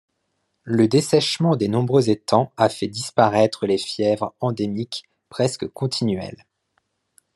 Le dessèchement des nombreux étangs a fait disparaître les fièvres endémiques presque continuelles.